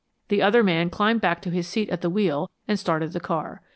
The other man climbed back to his seat at the wheel and started the car.